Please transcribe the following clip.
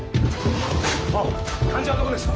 患者はどこですか？